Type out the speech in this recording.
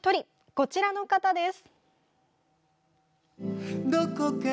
こちらの方です。